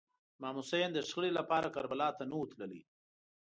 امام حسین د شخړې لپاره کربلا ته نه و تللی.